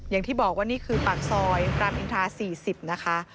อย่างที่บอกว่านี่คือปากซอยรามอินทรา๔๐นะคะ